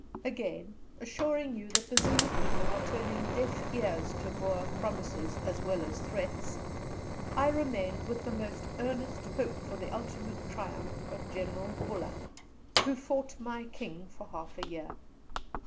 Again assuring you that the Zulu people are turning deaf ears to Boer promises, as well as threats, I remain, with the most earnest hope for the ultimate triumph of General Buller who fought my King for half a year.